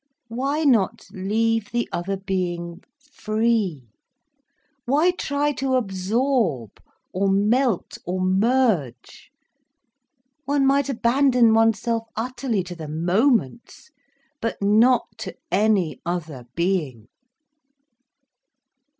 Why not leave the other being, free, why try to absorb, or melt, or merge? One might abandon oneself utterly to the moments, but not to any other being.